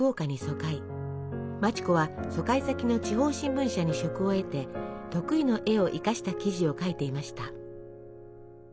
町子は疎開先の地方新聞社に職を得て得意の絵を生かした記事を書いていました。